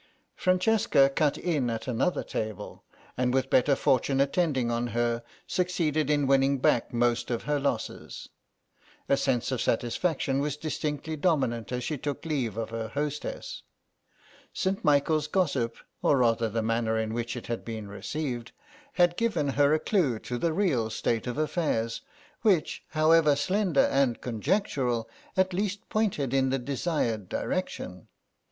Francesca cut in at another table and with better fortune attending on her, succeeded in winning back most of her losses. A sense of satisfaction was distinctly dominant as she took leave of her hostess. St. Michael's gossip, or rather the manner in which it had been received, had given her a clue to the real state of affairs, which, however slender and conjectural, at least pointed in the desired direction.